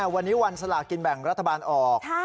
วันนี้วันสลากินแบ่งรัฐบาลออก